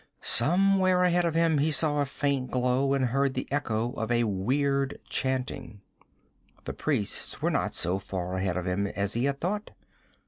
Somewhere ahead of him he saw a faint glow and heard the echo of a weird chanting. The priests were not so far ahead of him as he had thought.